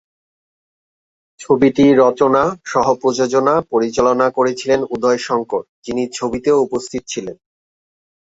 ছবিটি রচনা, সহ-প্রযোজনা, পরিচালনা করেছিলেন উদয় শঙ্কর, যিনি ছবিতেও উপস্থিত ছিলেন।